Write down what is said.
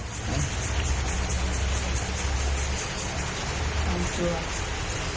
แล้วก็ไม่เป็นไรเนอะสมภาษณ์ดีอยู่แล้วครับ